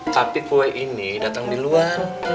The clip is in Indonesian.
tapi kue ini datang di luar